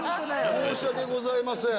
申し訳ございません。